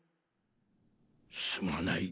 すまない。